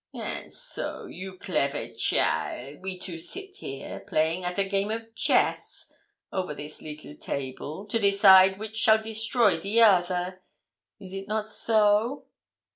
'And so, you clever cheaile, we two sit here, playing at a game of chess, over this little table, to decide which shall destroy the other is it not so?'